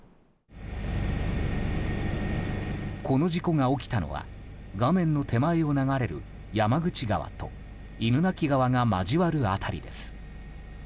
この事故が起きたのは画面の手前を流れる山口川と犬鳴川が交わる辺りです。